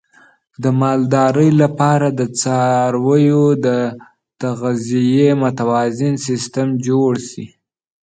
د مالدارۍ لپاره د څارویو د تغذیې متوازن سیستم جوړ شي.